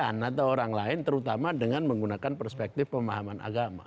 untuk memandang lian atau orang lain terutama dengan menggunakan perspektif pemahaman agama